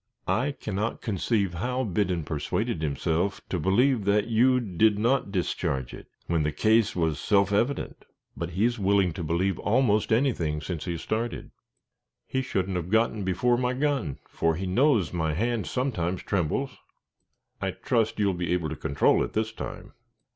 I cannot conceive how Biddon persuaded himself to believe that you did not discharge it when the case was self evident. But he is willing to believe almost anything since he has started." "He shouldn't have gotten before my gun, for he knows my hand sometimes trembles." "I trust you will be able to control it this time."